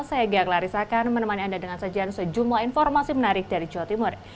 saya galaris akan menemani anda dengan sajian sejumlah informasi menarik dari jawa timur